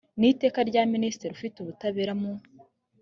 n iteka rya minisitiri ufite ubutabera mu